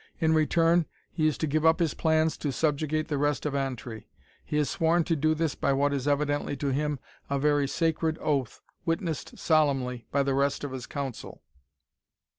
In return, he is to give up his plans to subjugate the rest of Antri; he has sworn to do this by what is evidently, to him, a very sacred oath, witnessed solemnly by the rest of his council.